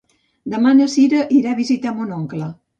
Demà na Sira irà a visitar mon oncle.